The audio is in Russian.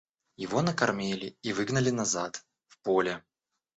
Его накормили и выгнали назад — в поле.